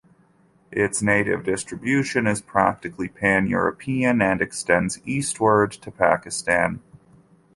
Its native distribution is practically pan-European and extends eastward to Pakistan.